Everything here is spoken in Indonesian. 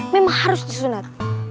memang harus disunat